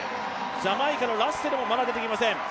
ジャマイカのラッセルもまだ出てきません。